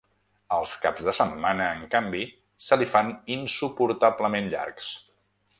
Els caps de setmana, en canvi, se li fan insuportablement llargs.